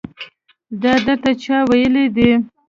دا درته چا ويلي دي.